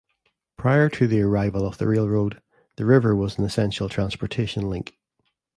Prior to the arrival of the railroad, the river was an essential transportation link.